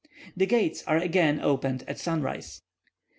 The gates are again opened at sunrise.